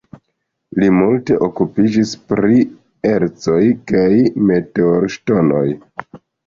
Li multe okupiĝis pri ercoj kaj meteorŝtonoj.